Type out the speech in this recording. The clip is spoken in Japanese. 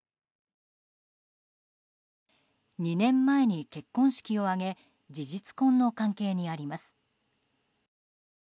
２年前に結婚式を挙げ事実婚の関係にあります。